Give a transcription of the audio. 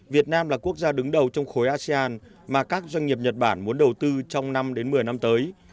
việt nam là quốc gia đứng đầu trong khối asean mà các doanh nghiệp nhật bản muốn đầu tư trong năm đến một mươi năm tới